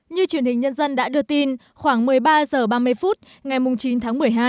như truyền hình nhân dân đã đưa tin khoảng một mươi ba h ba mươi phút ngày chín tháng một mươi hai